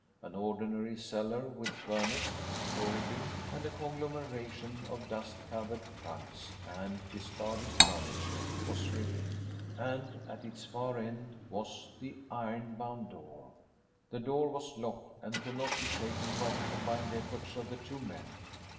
An ordinary cellar, with furnace, coal bin, and a conglomeration of dust covered trunks and discarded furniture, was revealed. And, at its far end, was the iron bound door. The door was locked and could not be shaken by the combined efforts of the two men.